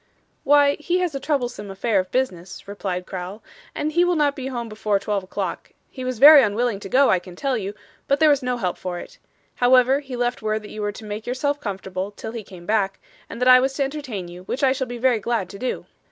'Why, he has a troublesome affair of business,' replied Crowl, 'and will not be home before twelve o'clock. He was very unwilling to go, I can tell you, but there was no help for it. However, he left word that you were to make yourself comfortable till he came back, and that I was to entertain you, which I shall be very glad to do.